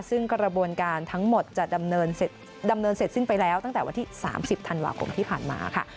ซึ่งกระบวนการทั้งหมดจะดำเนินเสร็จสิ้นไปแล้วตั้งแต่วันที่๓๐ธันวาคมที่ผ่านมาค่ะ